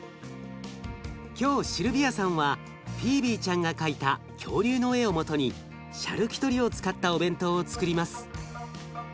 今日シルビアさんはフィービーちゃんが描いた恐竜の絵をもとにシャルキュトリを使ったお弁当をつくります。